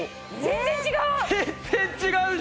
全然違う。